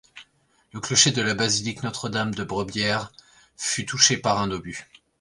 Le clocher de la basilique Notre-Dame de Brebières fut touché par un obus.